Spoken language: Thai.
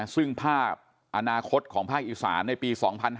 ซึ่งภาพอนาคตของภาคอีสานในปี๒๕๕๙